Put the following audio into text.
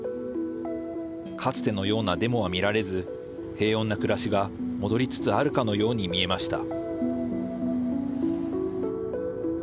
かつてのようなデモは見られず平穏な暮らしが戻りつつあるかのようにみえました。